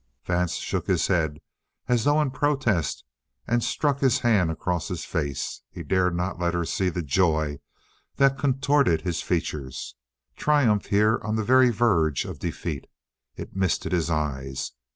Vance shook his head as though in protest and struck his hand across his face. He dared not let her see the joy that contorted his features. Triumph here on the very verge of defeat! It misted his eyes.